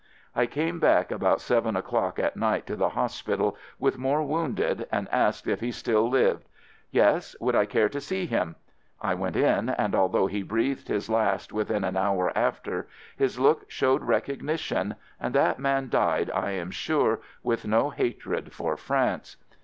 I came back about seven o'clock at night to the hospital with more wounded and asked if he still lived. "Yes; would I care to see him? " I went in and although he breathed his last within an hour after, his look showed recognition, and that man died, I am sure, with no hatred for France.